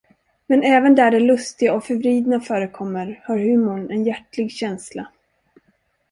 Men även där det lustiga och förvridna förekommer, har humorn en hjärtlig känsla.